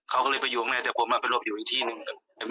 เขาก็เลยไปอยู่ข้างในนี้แต่ผมอาจไปหลบอยู่ที่นึง